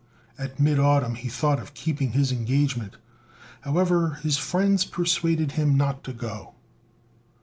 At mid autumn he thought of keeping his engagement; however, his friends persuaded him not to go.